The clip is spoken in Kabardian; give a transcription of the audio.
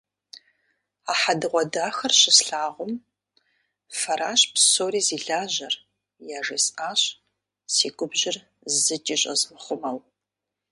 А хьэдэгъуэдахэр щыслъагъум, «Фэращ псори зи лажьэр!» яжесӏащ, си губжьыр зыкӏи щӏэзмыхъумэу.